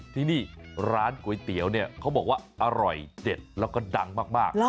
ที่นี่ร้านก๋วยเตี๋ยวเนี่ยเขาบอกว่าอร่อยเด็ดแล้วก็ดังมาก